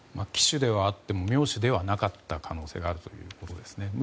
奇手ではあっても妙手ではなかった可能性があるということですね。